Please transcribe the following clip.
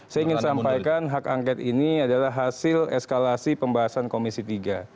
saya ingin sampaikan hak angket ini adalah hasil eskalasi pembahasan komisi tiga